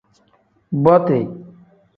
Boti.